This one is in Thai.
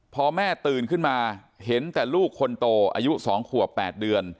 พอแม่ตื่นขึ้นมาเห็นแต่ลูกคนโตอายุ๒ขวบ๘เดือน